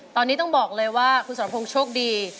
ตอนนี้ต้องบอกเลยว่าคุณสรพงศ์โชคดี